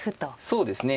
そうですね。